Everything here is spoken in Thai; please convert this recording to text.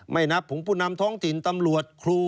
ไม่นับผู้นำท้องถิ่นตำรวจครู